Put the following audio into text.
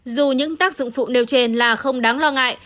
dù những tác dụng phụ nêu trên là không đáng lo ngại